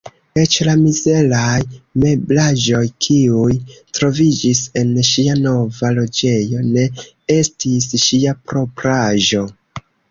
Eĉ la mizeraj meblaĵoj, kiuj troviĝis en ŝia nova loĝejo, ne estis ŝia propraĵo.